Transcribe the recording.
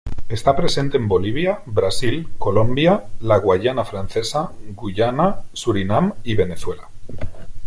Está presente en Bolivia, Brasil, Colombia, la Guayana francesa, Guyana, Surinam y Venezuela.